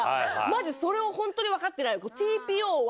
マジそれをホントに分かってない。